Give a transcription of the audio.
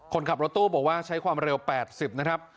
คนขับรถตู้บอกว่าใช้ความเร็ว๘๐นะครับ